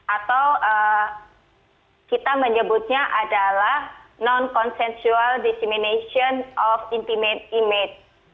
atau kita menyebutnya adalah non consensual disemination of intimate image